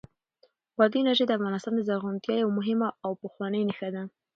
بادي انرژي د افغانستان د زرغونتیا یوه مهمه او پخوانۍ نښه ده.